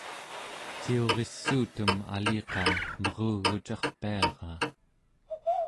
ciurissuutem aliqa merugucarpiaraa